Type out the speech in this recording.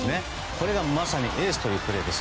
これがまさにエースというプレーです。